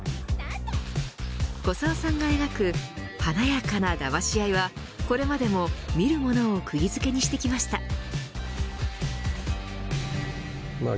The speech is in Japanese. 古沢さんが描く華やかなだまし合いはこれまでも、見る者をくぎ付けにしてきました。